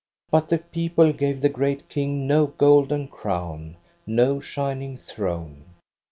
"But the people gave the great King no golden crown, no shining throne.